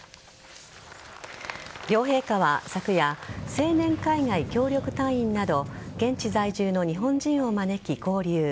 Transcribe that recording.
両陛下は昨夜青年海外協力隊員など現地在住の日本人を招き交流。